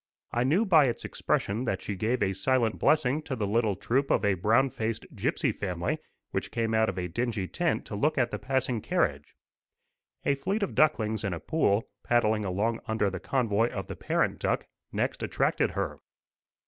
I knew by its expression that she gave a silent blessing to the little troop of a brown faced gipsy family, which came out of a dingy tent to look at the passing carriage. A fleet of ducklings in a pool, paddling along under the convoy of the parent duck, next attracted her.